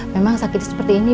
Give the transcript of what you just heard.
memang sakit seperti ini